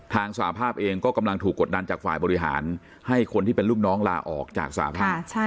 สหภาพเองก็กำลังถูกกดดันจากฝ่ายบริหารให้คนที่เป็นลูกน้องลาออกจากสหภาพ